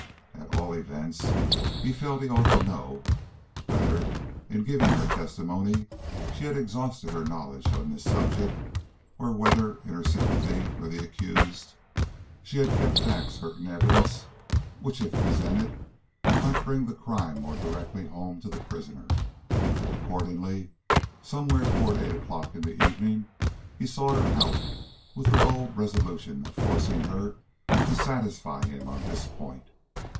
At all events, he felt he ought to know whether, in giving her testimony she had exhausted her knowledge on this subject, or whether, in her sympathy for the accused, she had kept back certain evidence which if presented might bring the crime more directly home to the prisoner. Accordingly, somewhere toward eight o'clock in the evening, he sought her out with the bold resolution of forcing her to satisfy him on this point.